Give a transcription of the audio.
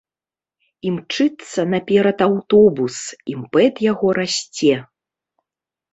Імчыцца наперад аўтобус, імпэт яго расце.